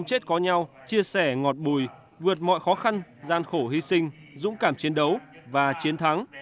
chết có nhau chia sẻ ngọt bùi vượt mọi khó khăn gian khổ hy sinh dũng cảm chiến đấu và chiến thắng